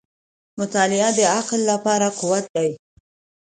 • مطالعه د عقل لپاره قوت دی.